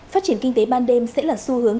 phát triển kinh tế ban đêm sẽ là xu hướng